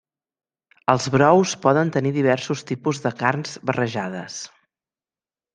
Els brous poden tenir diversos tipus de carns barrejades.